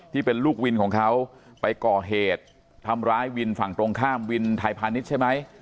ที่เป็นลูกวินของเขาไปก่อเหตุทำร้ายวินฝั่งตรงข้ามวินไทยพาณิชย์ใช่ไหม